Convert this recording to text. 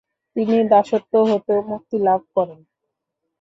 তিনি দাসত্ব হতেও মুক্তি লাভ করেন।